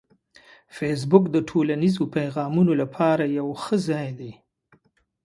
فېسبوک د ټولنیزو پیغامونو لپاره یو ښه ځای دی